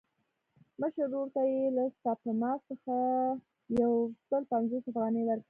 مشر ورور ته یې له سپما څخه یو سل پنځوس افغانۍ ورکړې.